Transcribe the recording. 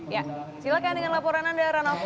ya silakan dengan laporan anda heranov